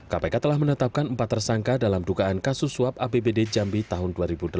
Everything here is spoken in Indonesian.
kpk telah menetapkan empat tersangka dalam dugaan kasus suap apbd jambi tahun dua ribu delapan belas